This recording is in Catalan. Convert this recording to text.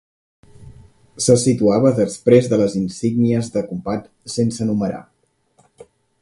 Se situava després de les insígnies de combat sense numerar.